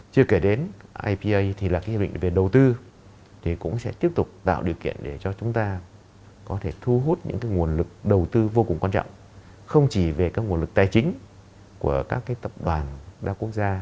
chưa kể đến ipa thì là cái hiệp định về đầu tư thì cũng sẽ tiếp tục tạo điều kiện để cho chúng ta có thể thu hút những nguồn lực đầu tư vô cùng quan trọng không chỉ về các nguồn lực tài chính của các cái tập đoàn đa quốc gia